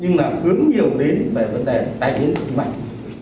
nhưng là hướng nhiều đến về vấn đề tai biến tim mạch